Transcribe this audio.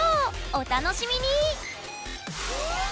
お楽しみに！